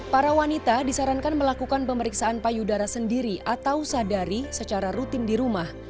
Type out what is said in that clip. para wanita disarankan melakukan pemeriksaan payudara sendiri atau sadari secara rutin di rumah